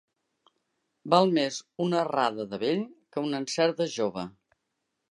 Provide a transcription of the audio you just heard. Val més una errada de vell que un encert de jove.